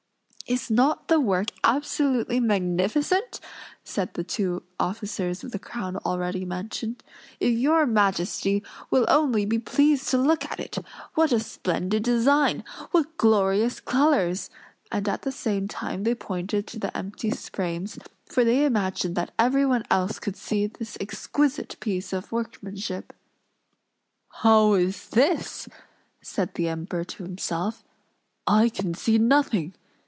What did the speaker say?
"Is not the work absolutely magnificent?" said the two officers of the crown, already mentioned. "If your Majesty will only be pleased to look at it! What a splendid design! What glorious colors!" and at the same time they pointed to the empty frames; for they imagined that everyone else could see this exquisite piece of workmanship. "How is this?" said the Emperor to himself. "I can see nothing!